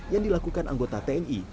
yang dilakukan anggota tni